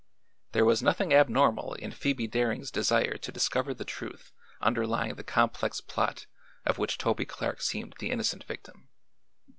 There was nothing abnormal in Phoebe Daring's desire to discover the truth underlying the complex plot of which Toby Clark seemed the innocent victim.